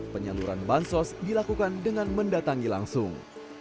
penyaluran bansos dilakukan dengan mendatangi langsung